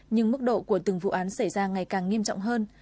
nhưng mức độ của từng vụ án xảy ra ngày càng nghiêm trọng hơn